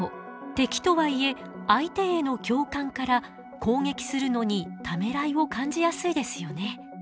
敵とはいえ相手への共感から攻撃するのにためらいを感じやすいですよね。